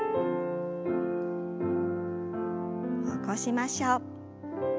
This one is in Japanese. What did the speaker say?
起こしましょう。